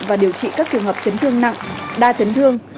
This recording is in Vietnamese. và điều trị các trường hợp chấn thương nặng đa chấn thương